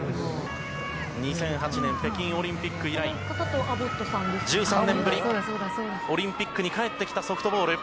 ２００８年、北京オリンピック以来１３年ぶり、オリンピックに帰ってきたソフトボール。